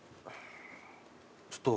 ちょっと。